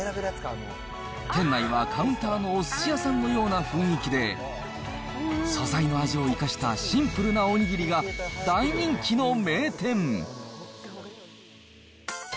店内はカウンターのおすし屋さんのような雰囲気で、素材の味を生かしたシンプルなおにぎりが大人気の名店。